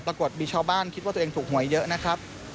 ปรากฏมีชาวบ้านคิดว่าตัวเองถูกหวยเยอะนะครับ